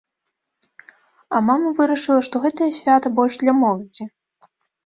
А мама вырашыла, што гэтае свята больш для моладзі.